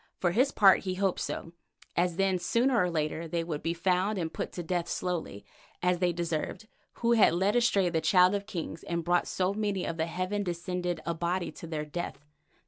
For his part he hoped so, as then sooner or later they would be found and put to death slowly, as they deserved, who had led astray the Child of Kings and brought so many of the heaven descended Abati to their death.